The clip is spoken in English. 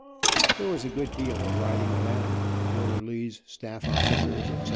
There was a good deal of riding around, orderlies, staff officers, etc.